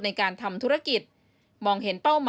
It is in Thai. ในการทำธุรกิจ